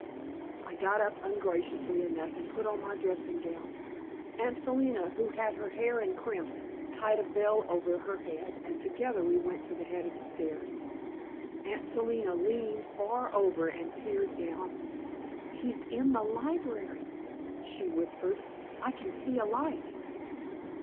I got up ungraciously enough, and put on my dressing gown. Aunt Selina, who had her hair in crimps, tied a veil over her head, and together we went to the head of the stairs. Aunt Selina leaned far over and peered down. "He's in the library," she whispered. "I can see a light."